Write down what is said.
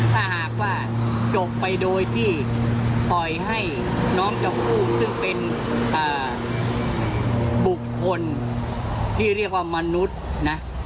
ถ้าหากว่าจบไปโดยที่ปล่อยให้น้องชมพู่ซึ่งเป็นบุคคลที่เรียกว่ามนุษย์นะ